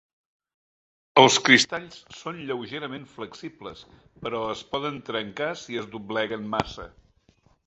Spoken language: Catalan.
Els cristalls són lleugerament flexibles, però es poden trencar si es dobleguen massa.